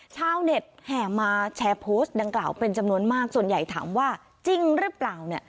ชาวเน็ตแห่มาแชร์โพสต์ดังกล่าวเป็นจำนวนมากส่วนใหญ่ถามว่าจริงหรือเปล่าเนี่ย